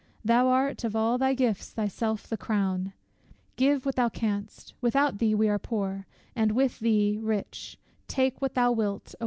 Thou art of all thy gifts thyself the crown: Give what thou canst, without thee we are poor, And with thee rich, take what thou wilt away.